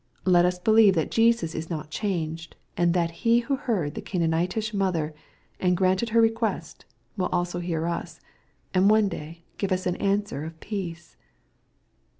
Let us believe that Jesus is not changed, and that He who heard the Canaanitish mother, and granted her request, will also h«ar us, and one day give us an answer of peace.